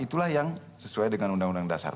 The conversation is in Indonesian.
itulah yang sesuai dengan undang undang dasar